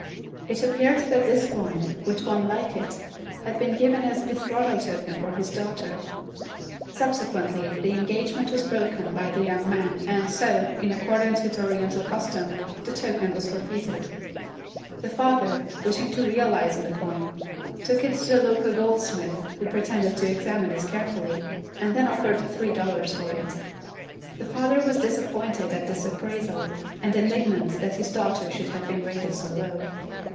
It appeared that this coin, with one like it, had been given as betrothal token for his daughter. Subsequently the engagement was broken by the young man and so, in accordance with oriental custom, the token was forfeited. The father, wishing to realize on the coin, took it to a local goldsmith who pretended to examine it carefully and then offered three dollars for it. The father was disappointed at this appraisal and indignant that his daughter should have been rated so low.